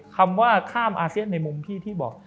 คำว่าข้ามอาเซียนในมุมพี่ที่บอก